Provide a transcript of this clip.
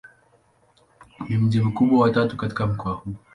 Ni mji mkubwa wa tatu katika mkoa huu.